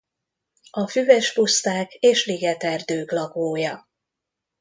A füves puszták és ligeterdők lakója.